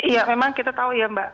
iya memang kita tahu ya mbak